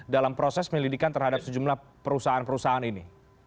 dalam proses penyelidikan terhadap sejumlah perusahaan perusahaan ini